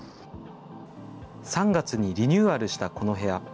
３月にリニューアルしたこの部屋。